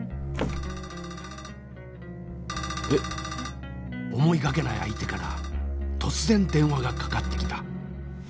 えっ？思いがけない相手から突然電話がかかってきた。